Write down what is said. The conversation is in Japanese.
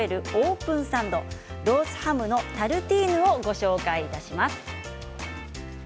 オープンサンドロースハムのタルティーヌをご紹介します。